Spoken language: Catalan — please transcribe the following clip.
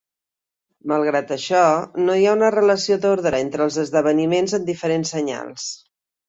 Malgrat això, no hi ha una relació d'ordre entre els esdeveniments en diferents senyals.